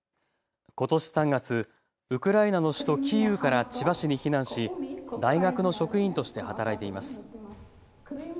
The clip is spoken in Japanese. ことし３月、ウクライナの首都キーウから千葉市に避難し大学の職員として働いています。